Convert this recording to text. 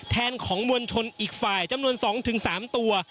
แทนของมวลชนอีกฝ่ายจำนวน๒๓ตัว